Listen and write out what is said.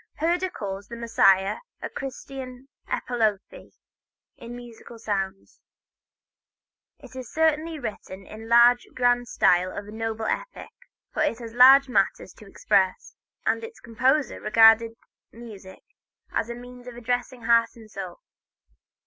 Herder calls the "Messiah" a Christian epopee, in musical sounds. It is certainly written in the large, grand style of a noble epic, for it had large matters to express, and its composer regarded music as a means of addressing heart and soul.